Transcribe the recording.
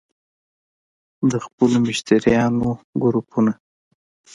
- د خپلو مشتریانو ګروپونه